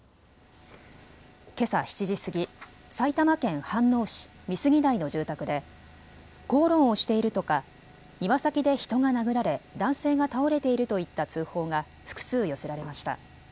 けさ７時過ぎ、埼玉県飯能市美杉台の住宅で口論をしているとか、庭先で人が殴られ男性が倒れているといった通報が複数、寄せられました。